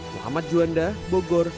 muhammad juanda bogor